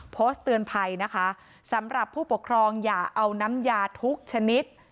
โพสต์เตือนภัยนะคะสำหรับผู้ปกครองอย่าเอาน้ำยาทุกชนิด